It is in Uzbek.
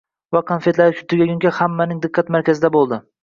va konfetlari tugaguncha hammaning diqqat markazida bo‘lgan.